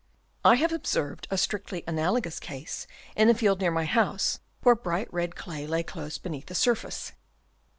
I have ob served a strictly analogous case in a field near my house where bright red clay lay close beneath the surface.